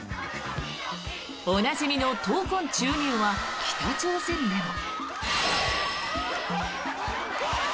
おなじみの闘魂注入は北朝鮮でも。